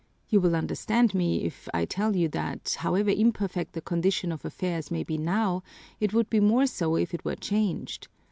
You will understand me if I tell you that, however imperfect the condition of affairs may be now, it would be more so if it were changed.